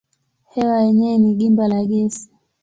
Hewa yenyewe ni gimba la gesi.